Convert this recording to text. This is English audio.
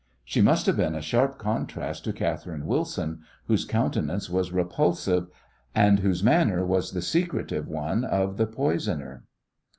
She must have been a sharp contrast to Catherine Wilson, whose countenance was repulsive, and whose manner was the secretive one of the poisoner.